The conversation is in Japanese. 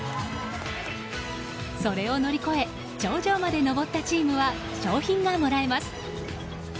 それを乗り越え頂上まで登ったチームは賞品がもらえます。